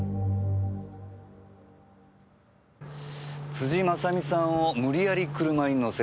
辻正巳さんを無理やり車に乗せた。